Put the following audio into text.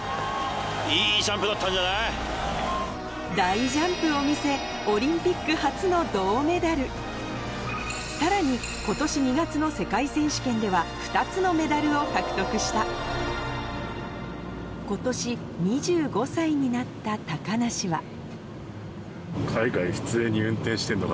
大ジャンプを見せオリンピックさらに今年２月の世界選手権では２つのメダルを獲得した今年２５歳になった梨はでも。